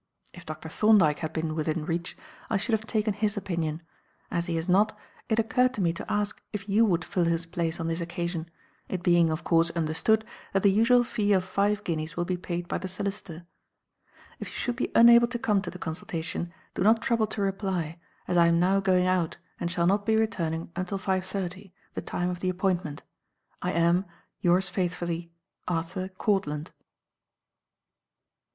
If Dr. Thorndyke had been within reach I should have taken his opinion; as he is not, it occurred to me to ask if you would fill his place on this occasion, it being, of course, understood that the usual fee of five guineas will be paid by the solicitor. If you should be unable to come to the consultation, do not trouble to reply, as I am now going out and shall not be returning until five thirty, the time of the appointment. I am, Yours faithfully, ARTHUR COURTLAND.